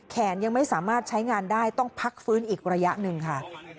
ยังไม่สามารถใช้งานได้ต้องพักฟื้นอีกระยะหนึ่งค่ะ